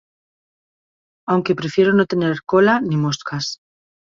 Aunque prefiero no tener cola ni moscas.